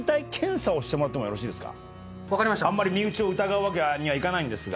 あんまり身内を疑うわけにはいかないんですが。